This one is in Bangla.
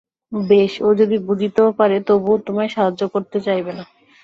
বেশ, ও যদি বুঝতেও পারে, তবুও তোমায় সাহায্য করতে চাইবে না।